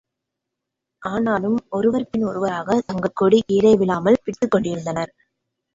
ஆனாலும், ஒருவர் பின் ஒருவராகத் தங்கள் கொடி கீழே விழாமல் பிடித்துக் கொண்டிருந்தனர்.